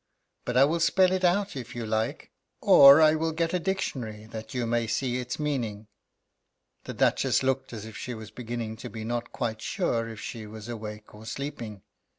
But I will spell it if you like. Or I will get a dictionary, that you may see its meaning." The Duchess looked as if she was beginning to be not quite sure if she was awake or sleeping.